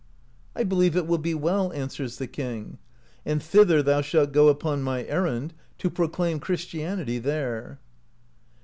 "I believe it will be well," answers the king, "and thither thou shalt g^ upon my errand, to proclaim Christianity there."